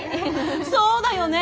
そうだよね。